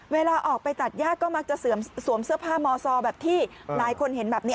เวลาออกไปตัดย่าก็มักจะสวมเสื้อผ้ามซอแบบที่หลายคนเห็นแบบนี้